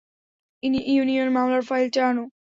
Union মামলার ফাইলটা আনো।